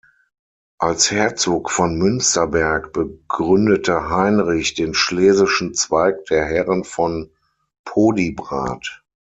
Als Herzog von Münsterberg begründete Heinrich den schlesischen Zweig der Herren von Podiebrad.